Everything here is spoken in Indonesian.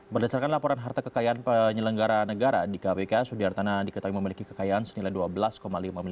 berdasarkan laporan harta kekayaan penyelenggara negara di kpk sudiartana diketahui memiliki kekayaan rp sembilan ratus dua belas lima miliar pada satu maret dua ribu tiga belas